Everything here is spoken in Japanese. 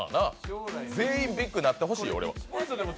全員、ビッグになってほしい、俺は。